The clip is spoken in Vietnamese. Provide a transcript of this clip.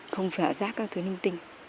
không phải rác các thứ ninh tinh